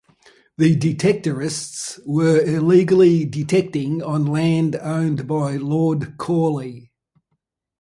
The detectorists were illegally detecting on land owned by Lord Cawley.